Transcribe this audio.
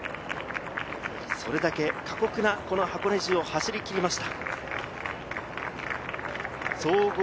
それだけ過酷な箱根路を走りきりました。